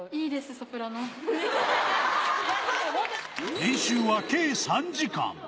練習は計３時間。